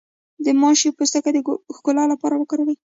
د ماش پوستکی د ښکلا لپاره وکاروئ